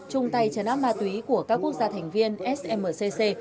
trung tây trần áp